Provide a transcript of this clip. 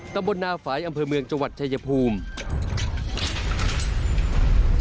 ตำบลนาฝ่ายอำเภอเมืองจังหวัดชายภูมิ